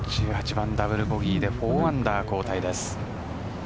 １８番ダブルボギーで４アンダー、後退です。